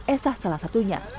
esah salah satunya